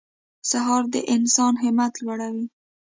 سهار د انسان همت لوړوي.